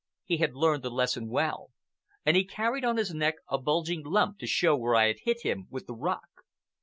He had learned the lesson well, and he carried on his neck a bulging lump to show where I had hit him with the rock.